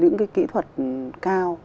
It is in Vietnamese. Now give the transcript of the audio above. những cái kỹ thuật cao